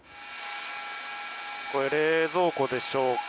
これ、冷蔵庫でしょうか。